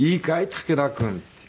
武田君」って。